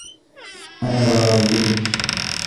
أنا برازيلي.